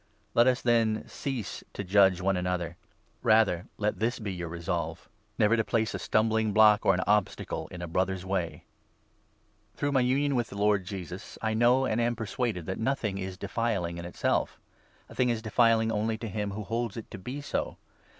Let us, then, cease to judge one another. Rather let this 13 be your resolve — never to place a stumbling block or an obstacle 11 Isa. 45. 23. ROMANS, 14 15. 371 in a Brother's way. Through my union with the Lord Jesus, 14 I know and am persuaded that nothing is 'defiling in itself.' A thing is ' defiling ' only to him who holds it to be so.